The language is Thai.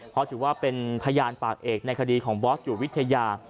เพราะถือว่าเป็นพยานปากเอกในคดีของบอสอยู่วิทยา